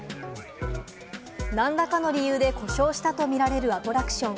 何らかの理由で故障したと見られるアトラクション。